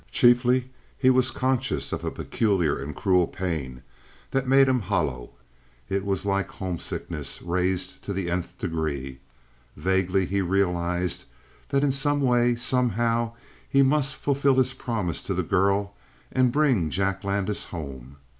Chiefly, he was conscious of a peculiar and cruel pain that made him hollow; it was like homesickness raised to the nth degree. Vaguely he realized that in some way, somehow, he must fulfill his promise to the girl and bring Jack Landis home.